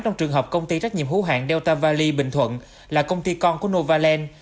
trong trường hợp công ty trách nhiệm hữu hạng delta valley bình thuận là công ty con của novaland